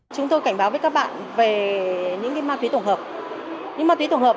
chúng tôi cảnh báo với các bạn về những ma túy tổng hợp